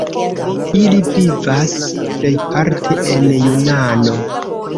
Ili vivas plejparte en Junano.